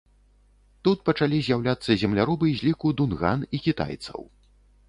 Тут пачалі з'яўляцца земляробы з ліку дунган і кітайцаў.